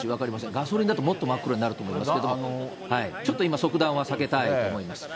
ガソリンだともっと真っ黒になると思うんですけど、ちょっと今、即断は避けたいと思います。